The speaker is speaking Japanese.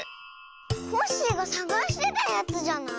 コッシーがさがしてたやつじゃない？